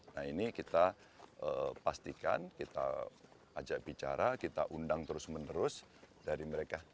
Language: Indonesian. nah ini kita pastikan kita ajak bicara kita undang terus menerus dari mereka